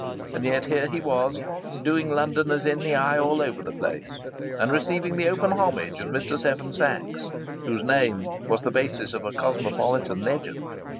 And yet here he was, "doing Londoners in the eye all over the place," and receiving the open homage of Mr. Seven Sachs, whose name was the basis of a cosmopolitan legend.